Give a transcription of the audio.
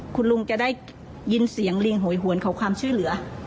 คุณลุงจะได้ยินเสียงลิงโหยหวนขอความช่วยเหลือ